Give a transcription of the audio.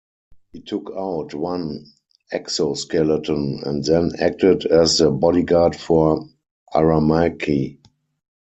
He took out one exoskeleton and then acted as the bodyguard for Aramaki.